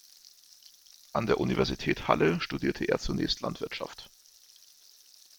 An der Universität Halle studierte er zunächst Landwirtschaft.